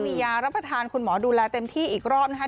มียารับประทานคุณหมอดูแลเต็มที่อีกรอบนะคะ